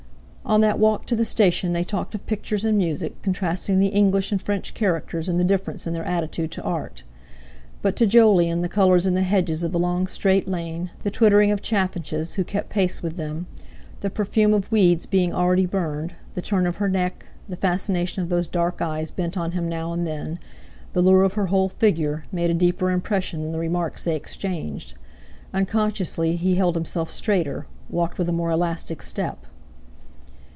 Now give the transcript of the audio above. On that walk to the station they talked of pictures and music, contrasting the English and French characters and the difference in their attitude to Art. But to Jolyon the colours in the hedges of the long straight lane, the twittering of chaffinches who kept pace with them, the perfume of weeds being already burned, the turn of her neck, the fascination of those dark eyes bent on him now and then, the lure of her whole figure, made a deeper impression than the remarks they exchanged. Unconsciously he held himself straighter, walked with a more elastic step.